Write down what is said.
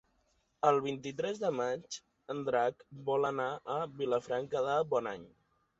El vint-i-tres de maig en Drac vol anar a Vilafranca de Bonany.